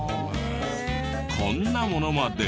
こんなものまで。